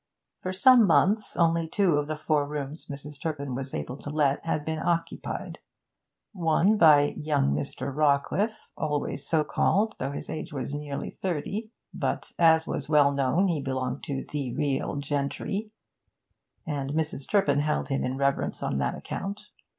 For some months only two of the four rooms Mrs. Turpin was able to let had been occupied, one by 'young Mr. Rawcliffe,' always so called, though his age was nearly thirty, but, as was well known, he belonged to the 'real gentry,' and Mrs. Turpin held him in reverence on that account.